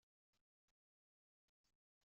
Manci ad tneḍqed awen wiwal?